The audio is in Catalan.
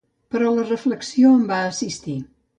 Però la reflexió em va assistir.